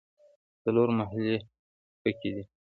څلور محلې په کې دي.